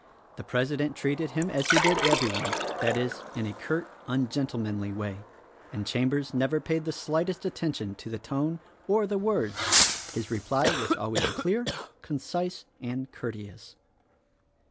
The President treated him as he did every one; that is, in a curt, ungentlemanly way — and Chambers never paid the slightest attention to the tone or the words. His reply was always clear, concise and courteous.